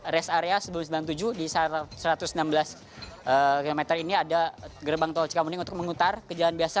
rest area sebelum sembilan puluh tujuh di satu ratus enam belas km ini ada gerbang tol cikamuning untuk mengutar ke jalan biasa